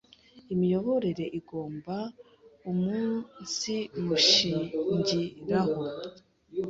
imiyoborere igomba umunsimushingiraho.